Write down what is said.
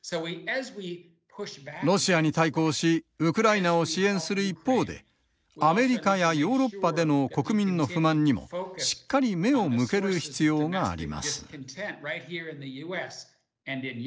ロシアに対抗しウクライナを支援する一方でアメリカやヨーロッパでの国民の不満にもしっかり目を向ける必要があります。